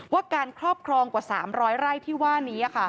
การครอบครองกว่า๓๐๐ไร่ที่ว่านี้